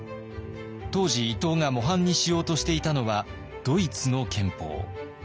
当時伊藤が模範にしようとしていたのはドイツの憲法。